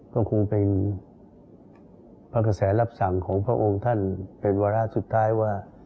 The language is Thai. ก็คงเป็นพระกระแสรับสั่งของพระองค์ท่านเป็นวาระสุดท้ายว่า